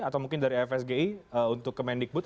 atau mungkin dari fsgi untuk kemendikbud